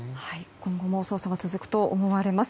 今後も捜査は続くと思われます。